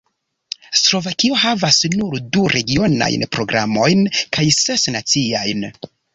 Slovakio havas nur du regionajn programojn kaj ses naciajn.